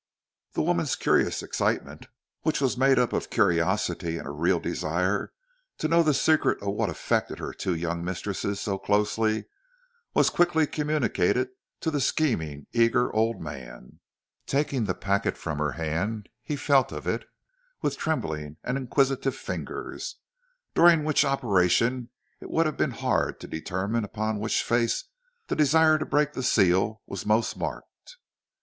The woman's curious excitement, which was made up of curiosity and a real desire to know the secret of what affected her two young mistresses so closely, was quickly communicated to the scheming, eager old man. Taking the packet from her hand, he felt of it with trembling and inquisitive fingers, during which operation it would have been hard to determine upon which face the desire to break the seal was most marked.